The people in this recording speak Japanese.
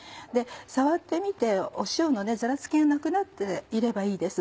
触ってみて塩のざらつきがなくなっていればいいです